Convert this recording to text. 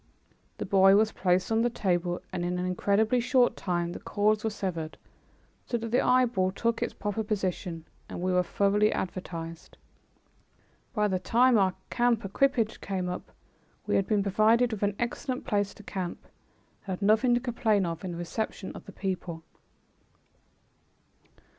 The boy was placed on the table and in an incredibly short time the cords were severed so that the eyeball took its proper position, and we were thoroughly advertised. By the time our camp equipage came up, we had been provided with an excellent place to camp, and had nothing to complain of in the reception of the people.